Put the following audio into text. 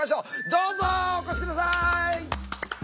どうぞお越し下さい！